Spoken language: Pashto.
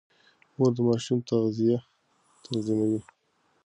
مور د ماشوم تغذيه تنظيموي.